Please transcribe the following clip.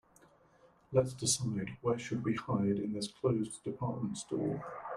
Let's decide where should we hide in this closed department store.